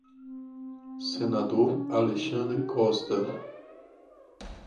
Senador Alexandre Costa